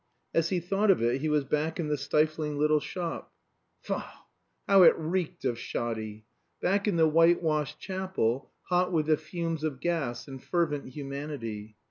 As he thought of it he was back in the stifling little shop. Faugh! How it reeked of shoddy! Back in the whitewashed chapel, hot with the fumes of gas and fervent humanity.